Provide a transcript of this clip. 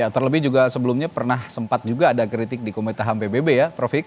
terlebih juga sebelumnya pernah sempat juga ada kritik di komite ham pbb ya prof ika